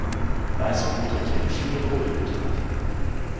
Weißbrot enthält viele Kohlenhydrate.